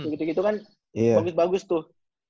gitu gitu kan komit bagus tuh